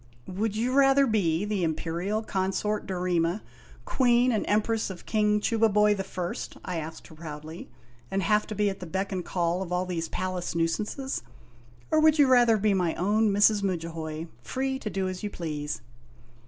"Would you rather be the Imperial Consort Dorema, Ouee n and Empress of King Chubaiboy the First," I asked her proudly, "and have to be at the beck and call of all these palace nuisances, or would you rather be my own Mrs. Mudjahoy, free to do as you please